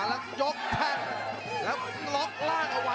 ประเภทมัยยังอย่างปักส่วนขวา